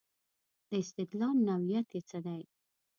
د استدلال نوعیت یې څه دی.